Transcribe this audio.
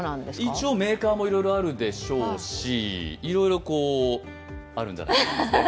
一応メーカーもいろいろあるでしょうしいろいろ、こうあるんじゃないですかね。